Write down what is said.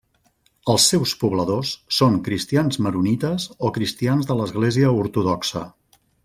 Els seus pobladors són cristians maronites o cristians de l'església ortodoxa.